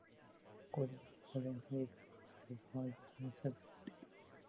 Colyer most recently played for the Atlanta Braves.